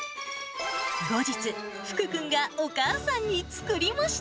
後日、福君がお母さんに作りました。